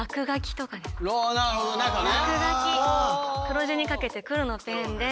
なるほどね。